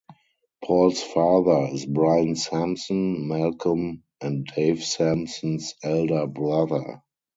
Paul's father is Brian Sampson, Malcolm, and Dave Sampson's elder brother.